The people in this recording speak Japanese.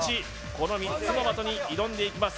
この３つの的に挑んでいきます